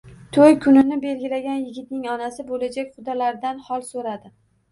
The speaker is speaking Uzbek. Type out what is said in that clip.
To‘y kunini belgilagan yigitning onasi bo‘lajak qudalaridan hol so‘radi